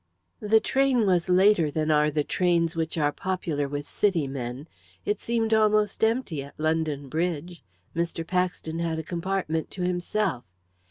The train was later than are the trains which are popular with City men. It seemed almost empty at London Bridge. Mr. Paxton had a compartment to himself.